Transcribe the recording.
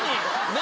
何？